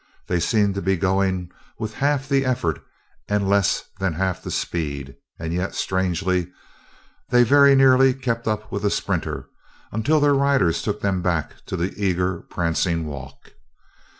They seemed to be going with half the effort and less than half the speed, and yet, strangely, they very nearly kept up with the sprinter until their riders took them back to the eager, prancing walk.